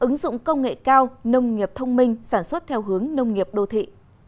ứng dụng công nghệ cao nông nghiệp thông minh sản xuất theo hướng nông nghiệp đô thị